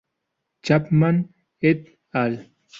Chapman "et al.